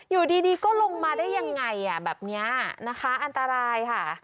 อยู่ดีก็ลงมาได้ยังไงอ่ะแบบนี้นะคะอันตรายค่ะ